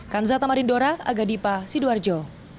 kan zata marindora aga dipa sidoarjo